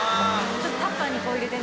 「ちょっとタッパーにこう入れてね」